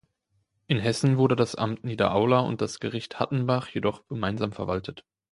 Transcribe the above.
In Hessen wurde das Amt Niederaula und das Gericht Hattenbach jedoch gemeinsam verwaltet.